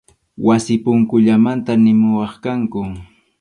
Wasi punkullamanta nimuwachkanku.